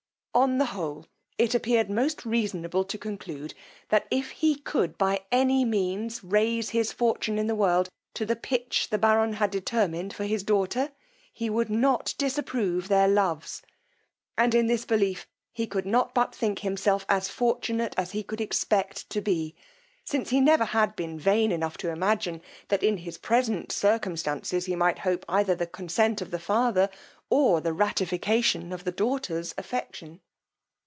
On the whole it appeared most reasonable to conclude, that if he could by any means raise his fortune in the world to the pitch the baron had determined for his daughter, he would not disapprove their loves; and in this belief he could not but think himself as fortunate as he could expect to be, since he never had been vain enough to imagine, that in his present circumstances he might hope either the consent of the father, or the ratification of the daughter's affection.